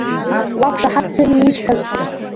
Уақәшаҳаҭӡами исҳәаз?